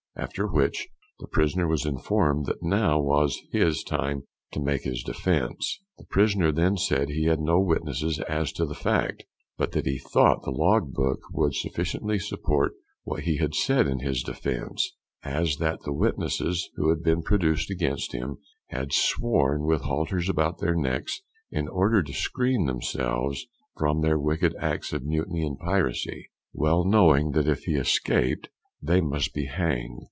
After which the prisoner was informed that now was his time to make his defence. The prisoner then said he had no witnesses as to the fact, but that he thought the log book would sufficiently support what he had said in his defence, as that the witnesses who had been produced against him had sworn with halters about their necks, in order to screen themselves from their wicked acts of mutiny and piracy, well knowing that if he escaped they must be hanged.